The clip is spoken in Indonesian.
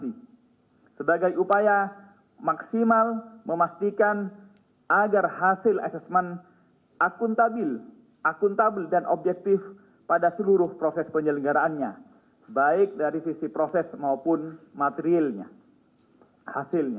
ini sebagai upaya maksimal memastikan agar hasil asesmen akuntabel akuntabel dan objektif pada seluruh proses penyelenggaraannya baik dari sisi proses maupun materialnya hasilnya